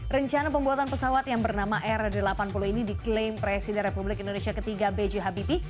rencana pembuatan pesawat yang bernama r delapan puluh ini diklaim presiden republik indonesia ketiga b j habibie